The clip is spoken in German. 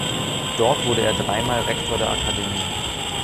Dort wurde er dreimal Rektor der Akademie.